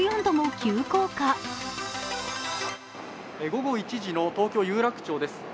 午後１時の東京・有楽町です。